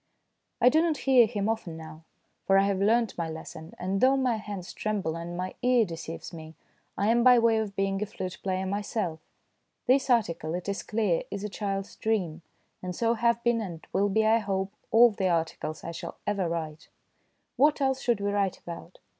I do not hear him often now, for I have learnt my lesson, and though my hands tremble and my ear deceives me, I am by way of being a flute player myself. This article, it is clear, is a child's dream, and so have been, and will be, I hope, all the articles I shall ever write, What else should we write about?